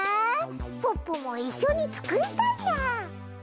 ポッポもいっしょにつくりたいな！